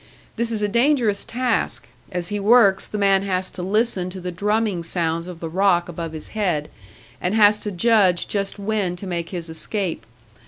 This is a dangerous task; as he works, the man has to listen to the drumming sounds of the rock above his head, and has to judge just when to make his escape.